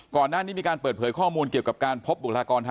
ก่อนหน้านี้มีการเปิดเผยข้อมูลเกี่ยวกับการพบบุคลากรทาง